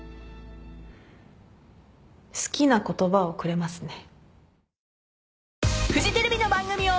好きな言葉をくれますね。